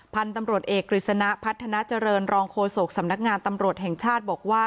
พันธุ์ตำรวจเอกกฤษณะพัฒนาเจริญรองโฆษกสำนักงานตำรวจแห่งชาติบอกว่า